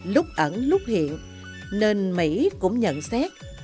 lúc ẩn lúc hiện nên mỹ cũng nhận xét